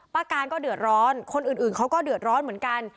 การก็เดือดร้อนคนอื่นเขาก็เดือดร้อนเหมือนกัน